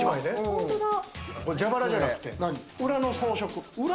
蛇腹じゃなくて裏の装飾。